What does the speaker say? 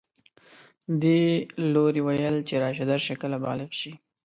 دې لوري ویل چې راشه درشه کله بالغ شي